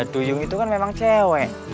duyung itu kan memang cewek